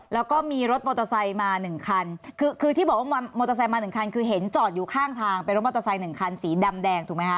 แล้วก็มีรถมอเตอร์ไซค์มาหนึ่งคันคือคือที่บอกว่ามอเตอร์ไซค์มาหนึ่งคันคือเห็นจอดอยู่ข้างทางเป็นรถมอเตอร์ไซค์หนึ่งคันสีดำแดงถูกไหมคะ